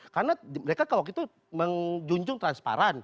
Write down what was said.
karena mereka kalau gitu menjunjung transparan